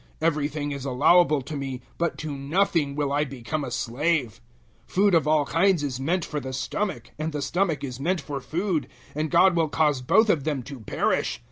Everything is allowable to me, but to nothing will I become a slave. 006:013 Food of all kinds is meant for the stomach, and the stomach is meant for food, and God will cause both of them to perish.